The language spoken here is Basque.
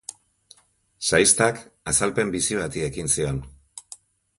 Shaistak azalpen bizi bati ekin zion.